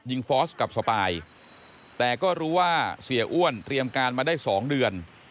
ฟอสกับสปายแต่ก็รู้ว่าเสียอ้วนเตรียมการมาได้สองเดือน